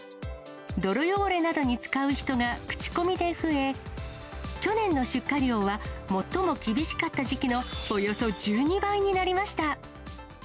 泥汚れなどに使う人が口コミで増え、去年の出荷量は、最も厳しかった時期のおよそ１２倍になりました。